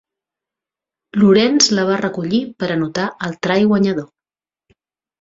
Lourens la va recollir per anotar el try guanyador.